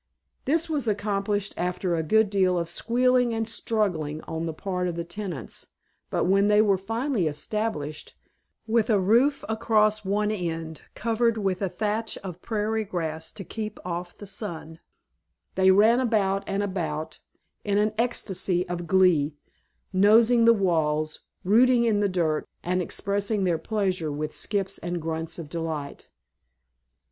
This was accomplished after a good deal of squealing and struggling on the part of the tenants, but when they were finally established, with a roof across one end covered with a thatch of prairie grass to keep off the sun, they ran about and about in an ecstasy of glee, nosing the walls, rooting in the dirt, and expressing their pleasure with skips and grunts of delight.